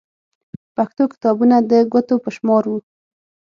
پښتو کتابونه د ګوتو په شمار وو.